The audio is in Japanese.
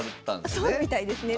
そうみたいですね。